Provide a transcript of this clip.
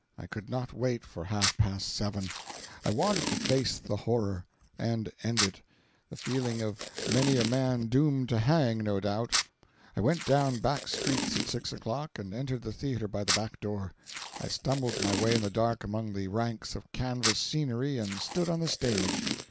I could not wait for half past seven—I wanted to face the horror, and end it—the feeling of many a man doomed to hang, no doubt. I went down back streets at six o'clock, and entered the theatre by the back door. I stumbled my way in the dark among the ranks of canvas scenery, and stood on the stage.